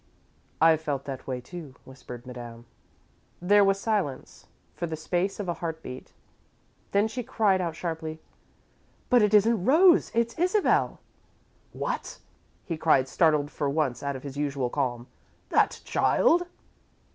"I've felt that way, too," whispered Madame. There was silence for the space of a heart beat, then she cried out sharply: "But it isn't Rose it's Isabel!" "What?" he cried, startled for once out of his usual calm. "That child?"